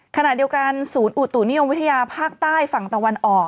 ขณะเดียวกันศูนย์อุตุนิยมวิทยาภาคใต้ฝั่งตะวันออก